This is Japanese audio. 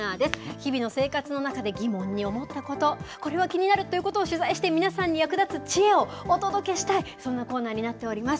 日々の生活の中で疑問に思ったこと、これは気になるということを取材して、皆さんに役立つ知恵をお届けしたい、そんなコーナーになっております。